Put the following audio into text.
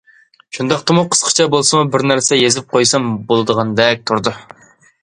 شۇنداقتىمۇ قىسقىچە بولسىمۇ بىر نەرسە يېزىپ قويسام بولىدىغاندەك تۇرىدۇ.